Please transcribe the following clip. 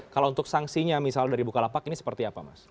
kalau untuk sanksinya misalnya dari bukalapak ini seperti apa mas